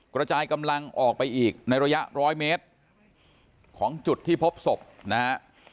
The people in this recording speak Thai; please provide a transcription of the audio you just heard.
กระจายกำลังออกไปอีกในระยะร้อยเมตรของจุดที่พบศพนะฮะ